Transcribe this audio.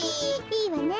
いいわね。